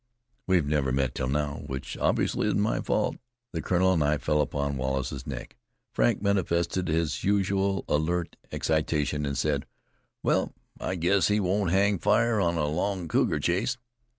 We've never met till now, which obviously isn't my fault." The Colonel and I fell upon Wallace's neck. Frank manifested his usual alert excitation, and said: "Well, I guess he won't hang fire on a long cougar chase."